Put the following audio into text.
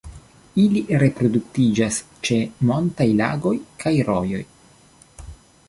Ili reproduktiĝas ĉe montaj lagoj kaj rojoj.